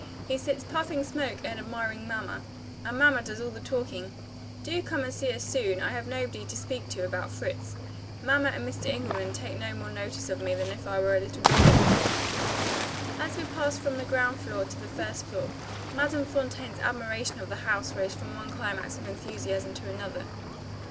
He sits puffing smoke, and admiring mamma and mamma does all the talking. Do come and see us soon! I have nobody to speak to about Fritz. Mamma and Mr. Engelman take no more notice of me than if I was a little dog in the room." As we passed from the ground floor to the first floor, Madame Fontaine's admiration of the house rose from one climax of enthusiasm to another.